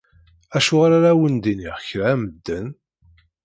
Acuɣer ara awen-d-iniɣ kra a medden?